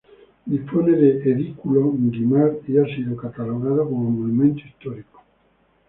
Dispone de edículo Guimard y ha sido catalogado como Monumento Histórico.